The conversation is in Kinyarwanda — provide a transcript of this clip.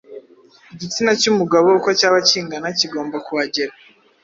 igitsina cy’umugabo uko cyaba kingana kigomba kuhagera.